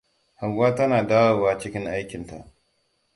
Hauwa tana dawowa cikin aikinta.